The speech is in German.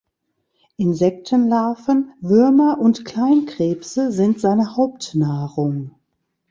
Insektenlarven, Würmer und Kleinkrebse sind seine Hauptnahrung.